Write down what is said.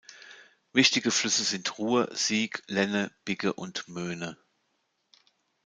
Wichtige Flüsse sind Ruhr, Sieg, Lenne, Bigge und Möhne.